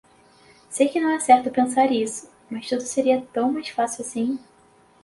Sei que não é certo pensar isso, mas tudo seria tão mais facil assim.